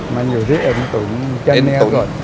มันอยู่ที่เอ็นตุ๋งจันเนียลก่อน